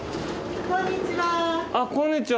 こんにちは。